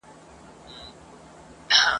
د غرڅه په څېر پخپله دام ته لویږي !.